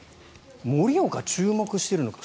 盛岡、注目してるのか。